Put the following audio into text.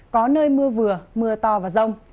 có nơi mưa vừa mưa to và rông